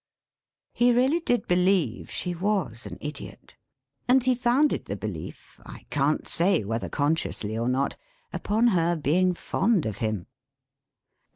He really did believe she was an Idiot; and he founded the belief, I can't say whether consciously or not, upon her being fond of him.